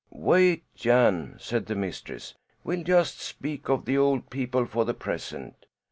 "Wait, Jan!" said the mistress, "we'll just speak of the old people for the present.